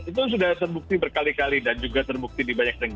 itu sudah terbukti berkali kali dan juga terbukti di banyak negara